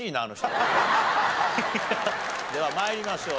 では参りましょう。